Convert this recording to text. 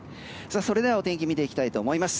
それではお天気を見ていきたいと思います。